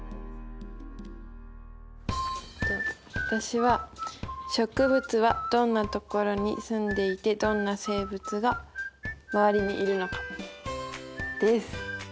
私は「植物はどんなところに住んでいてどんな生物がまわりにいるのか」です。